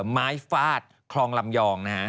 ม้ายฟาดคลองลำยอง